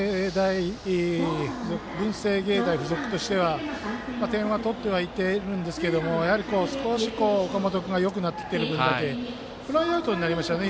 文星芸大付属としては点は取ってはいってるんですがやはり、少し岡本君がよくなってきているのでフライアウトになりましたよね。